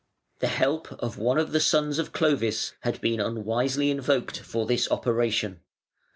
The help of one of the sons of Clovis had been unwisely invoked for this operation.